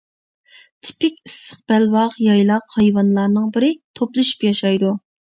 تىپىك ئىسسىق بەلباغ يايلاق ھايۋانلارنىڭ بىرى، توپلىشىپ ياشايدۇ.